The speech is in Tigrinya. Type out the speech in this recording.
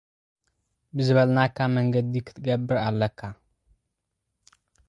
ብዝበልናካ መገዲ ኽትገብሮ ኣሎካ።